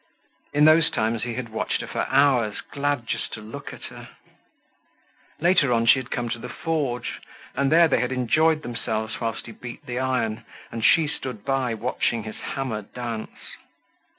In those times he had watched her for hours, glad just to look at her. Later on she had come to the forge, and there they had enjoyed themselves whilst he beat the iron, and she stood by watching his hammer dance.